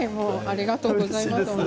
ありがとうございます。